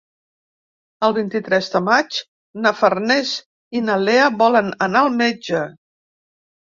El vint-i-tres de maig na Farners i na Lea volen anar al metge.